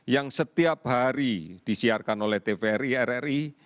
yang setiap hari disiarkan oleh tvri rri